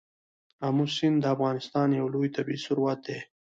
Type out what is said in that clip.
آمو سیند د افغانستان یو لوی طبعي ثروت دی.